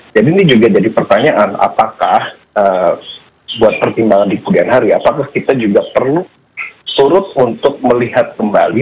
jadi ini juga jadi pertanyaan apakah buat pertimbangan di kemudian hari apakah kita juga perlu surut untuk melihat kembali